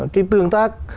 cái tương tác